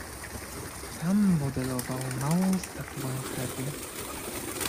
"Tam modelował małą statuę Heby."